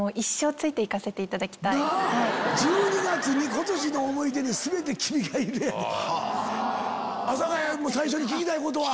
１２月に「今年の想い出にすべて君がいる」やで。